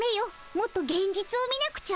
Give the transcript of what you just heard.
もっとげん実を見なくちゃ。